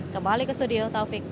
kembali ke studio taufik